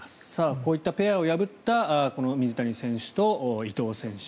こういったペアを破った水谷選手と伊藤選手。